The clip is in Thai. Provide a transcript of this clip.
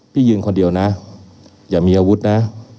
ยืนคนเดียวนะอย่ามีอาวุธนะ